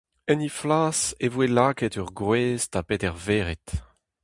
En he flas e voe lakaet ur groaz tapet er vered.